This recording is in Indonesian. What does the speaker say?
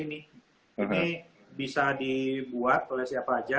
ini bisa dibuat oleh siapa saja